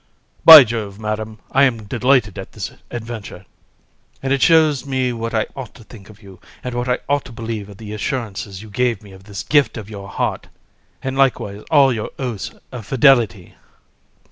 HAR. By Jove, Madam, I am delighted at this adventure, and it shows me what I ought to think of you, and what I ought to believe of the assurances you gave me of the gift of your heart, and likewise of all your oaths of fidelity.